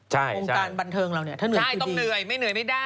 ใช่ต้องเหนื่อยไม่เหนื่อยไม่ได้